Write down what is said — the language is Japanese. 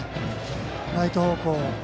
ライト方向へ。